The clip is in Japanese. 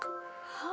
はあ！